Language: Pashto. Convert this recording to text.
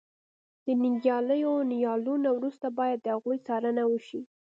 د نیالګیو نیالولو وروسته باید د هغوی څارنه وشي.